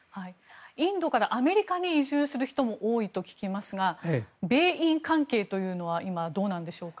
インドからアメリカに移住する人も多いと聞きますが米印関係というのは今どうなんでしょうか。